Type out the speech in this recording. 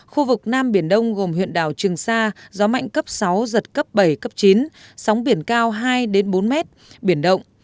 khu vực nam biển đông gồm huyện đảo trường sa gió mạnh cấp sáu giật cấp bảy cấp chín sóng biển cao hai bốn mét biển động